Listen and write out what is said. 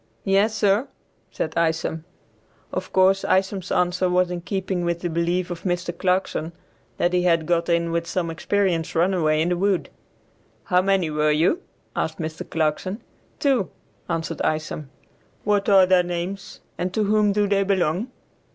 "Yes, sir," said Isom. Of course Isom's answer was in keeping with the belief of Mr. Clarkson that he had got in with some experienced runaway in the woods. "How many were with you?" asked Mr. Clarkson. "Two," answered Isom. "What are their names, and to whom do they belong?"